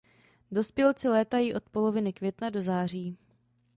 Dospělci létají od poloviny května do září.